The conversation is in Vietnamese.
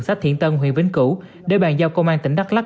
sát thiền tân huyền bình cửu để bàn giao công an tỉnh đắk lắc